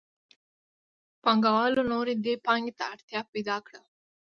پانګوالو نوره دې پانګې ته اړتیا پیدا کړې ده